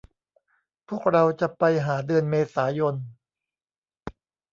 พวกเราจะไปหาเดือนเมษายน